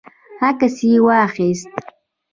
عکس یې واخیست.